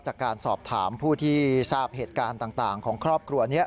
จากการสอบถามผู้ที่ทราบเหตุการณ์ต่างของครอบครัวนี้